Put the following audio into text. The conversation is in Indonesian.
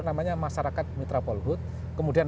namanya masyarakat mitra polhut kemudian